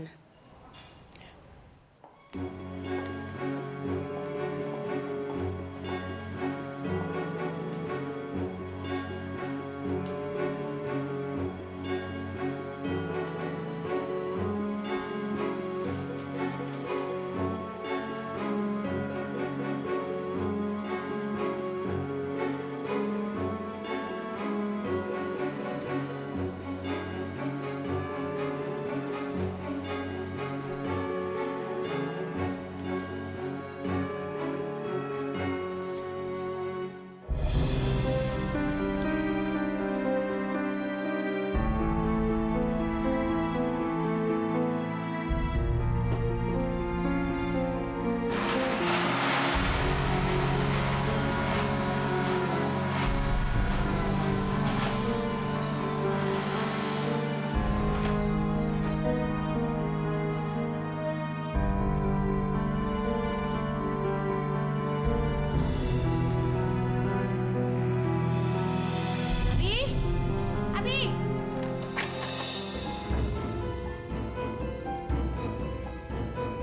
nanti dibawa ke sana